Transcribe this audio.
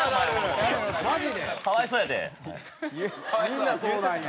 みんなそうなんや。